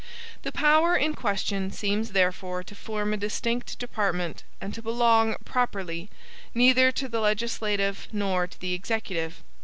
The power in question seems therefore to form a distinct department, and to belong, properly, neither to the legislative nor to the executive.